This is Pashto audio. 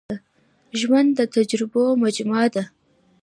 ژوند د تجربو مجموعه ده.